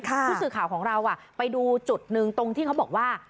ผู้สื่อข่าวของเราไปดูจุดหนึ่งตรงที่เขาบอกว่า